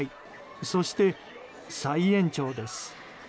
そして、再延長です。